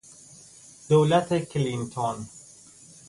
دولت کلینتون